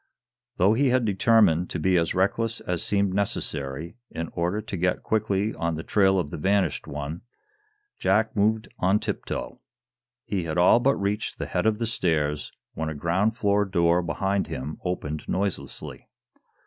Though he had determined to be as reckless as seemed necessary in order to get quickly on the trail of the vanished one, Jack moved on tip toe. He had all but reached the head of the stairs when a ground floor door behind him opened noiselessly.